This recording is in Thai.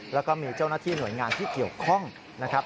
แล้วก็มีเจ้าหน้าที่หน่วยงานที่เกี่ยวข้องนะครับ